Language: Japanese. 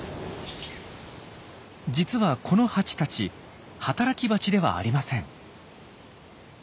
実はこのハチたち働きバチではありません。